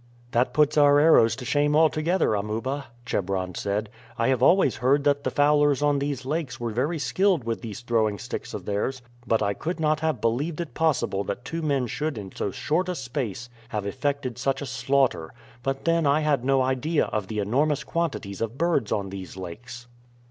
"That puts our arrows to shame altogether, Amuba," Chebron said. "I have always heard that the fowlers on these lakes were very skilled with these throwing sticks of theirs, but I could not have believed it possible that two men should in so short a space have effected such a slaughter; but then I had no idea of the enormous quantities of birds on these lakes."